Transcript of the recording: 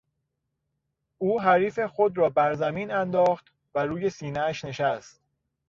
او حریف خود را بر زمین انداخت و روی سینهاش نشست.